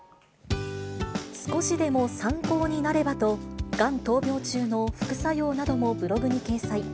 少しでも参考になればと、がん闘病中の副作用などもブログに掲載。